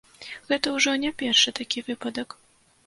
Гэта ўжо не першы такі выпадак.